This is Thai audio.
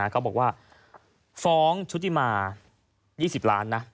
เขาบอกว่าฟ้องชุติมา๒๐ล้านนะ